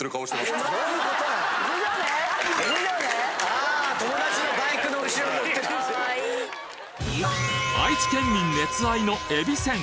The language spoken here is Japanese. ・かわいい・愛知県民熱愛のえびせん